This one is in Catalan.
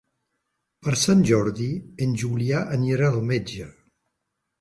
Per Sant Jordi en Julià anirà al metge.